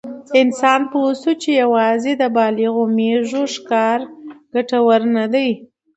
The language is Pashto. انسان پوه شو چې یواځې د بالغو مېږو ښکار ګټور نه دی.